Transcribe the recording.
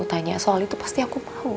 ya kalo kamu tanya soal itu pasti aku mau